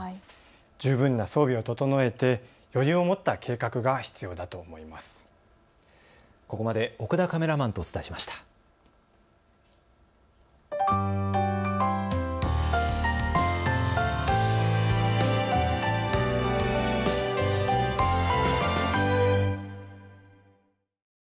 十分な装備を整えて余裕を持った計画が必要だと思います。